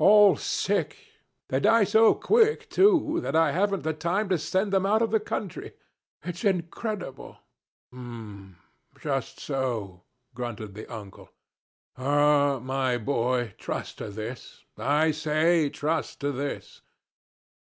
All sick. They die so quick, too, that I haven't the time to send them out of the country it's incredible!' 'H'm. Just so,' grunted the uncle. 'Ah! my boy, trust to this I say, trust to this.'